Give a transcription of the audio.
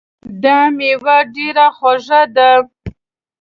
دا میوه ډېره خوږه ده